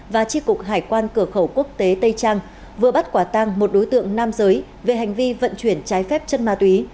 và tri cục hải quan cửa khẩu quốc tế tây trang vừa bắt quả tăng một đối tượng nam giới về hành vi vận chuyển trái phép chất ma túy